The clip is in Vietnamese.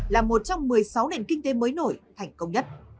nó là một trong những nền kinh tế mới nổi thành công nhất